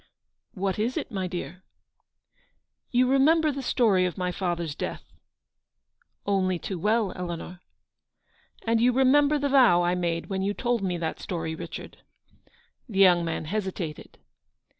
" What is it, my dear ? M "You remember the story of my father's death ?"" Only too well, Eleanor." " And you remember the vow I made when you told me that story, Richard?" The young man hesitated.